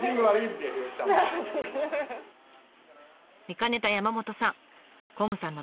見かねた山本さん